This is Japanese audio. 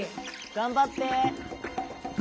頑張って！